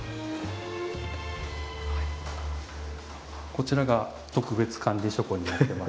こちらが特別管理書庫になってまして。